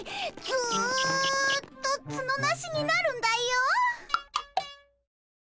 ずっとツノなしになるんだよ。